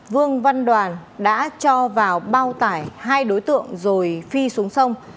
vương văn đoàn đã cho vào bao tải hai đối tượng rồi phi xuống sông